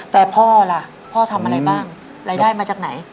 แต่พ่อล่ะพ่อทำอะไรบ้างรายได้มาจากไหน